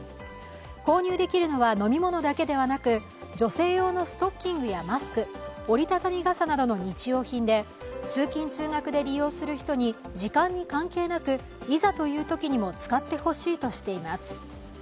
購入できるのは飲み物だけではなく女性用のストッキングやマスク折り畳み傘などの日用品で通勤・通学で利用する人に時間に関係なくいざというときにも使ってほしいとしています。